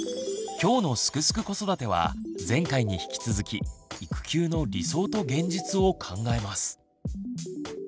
今日の「すくすく子育て」は前回に引き続き「育休の理想と現実」を考えます。